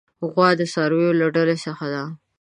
غوا د څارویو له ډلې څخه ده.